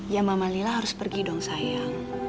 ya mama lila harus pergi dong sayang